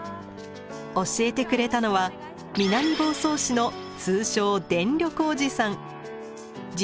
教えてくれたのは南房総市の通称電力おじさん。